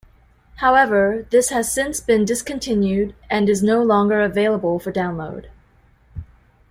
However, this has since been discontinued and is no longer available for download.